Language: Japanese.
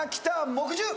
木１０。